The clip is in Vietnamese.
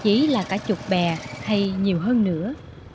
chỉ là cả chục bè hay nhiều hơn nữa